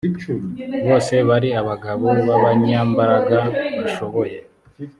bose bari abagabo b abanyambaraga bashoboye